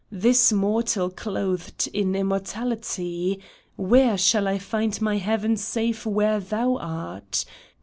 This mortal clothed in immortality. Where shall 1 find my heaven save where thou art